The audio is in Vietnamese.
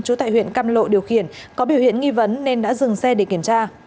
trú tại huyện cam lộ điều khiển có biểu hiện nghi vấn nên đã dừng xe để kiểm tra